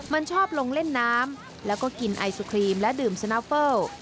มันชอบลงเล่นน้ำแล้วก็กินไอศครีมและดื่มสนับเฟิล